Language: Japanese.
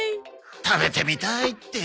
「食べてみたい」って。